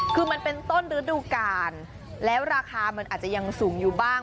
คือมันเป็นต้นฤดูกาลแล้วราคามันอาจจะยังสูงอยู่บ้าง